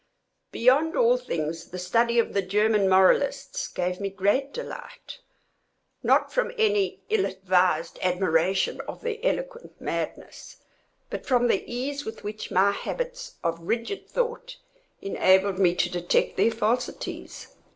—Beyond all things, the study of the German moralists gave me great delight; not from any ill advised admiration of their eloquent madness, but from the ease with which my habits of rigid thought enabled me to detect their falsities.